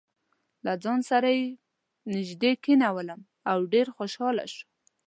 له ځان سره یې نژدې کېنولم او ډېر خوشاله شو.